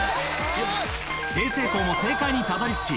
済々黌も正解にたどり着き